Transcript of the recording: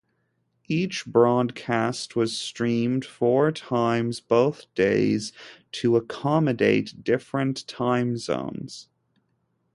Each broadcast was streamed four times both days to accommodate different time zones.